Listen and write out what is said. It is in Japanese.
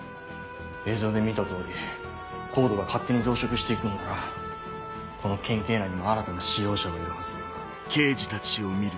映像で見た通りＣＯＤＥが勝手に増殖していくならこの県警内にも新たな使用者がいるはずだ。